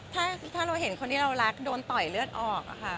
ถ้าเราเห็นคนที่เรารักโดนต่อยเลือดออกค่ะ